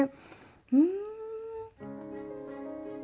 うん。